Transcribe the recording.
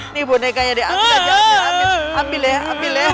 ini bonekanya dek ambil aja ambil ya ambil ya